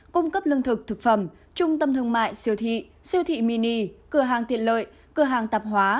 cung cấp lương thực thực phẩm trung tâm thương mại siêu thị siêu thị mini cửa hàng tiện lợi cửa hàng tạp hóa